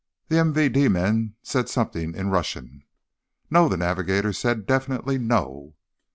The MVD men said something in Russian. "No," the navigator said. "Definitely no."